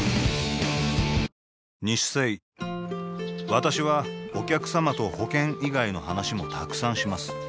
私はお客様と保険以外の話もたくさんします